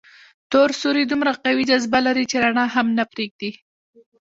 تور سوري دومره قوي جاذبه لري چې رڼا هم نه پرېږدي.